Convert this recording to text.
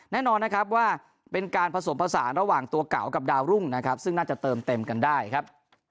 แน่นอนนะครับว่าเป็นการผสมผสานระหว่างตัวเก่ากับดาวรุ่งนะครับซึ่งน่าจะเติมเต็มกันได้ครับ